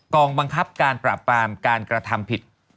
กองบังคับการปราบปรามการกระทำผิด